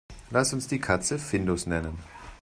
Lass uns die Katze Findus nennen.